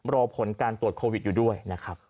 รอผลการตรวจโควิดอยู่ด้วยนะครับ